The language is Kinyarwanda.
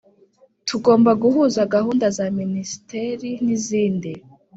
tugomba guhuza gahunda za Minisiteri n izindi